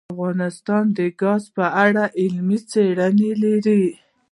افغانستان د ګاز په اړه علمي څېړنې لري.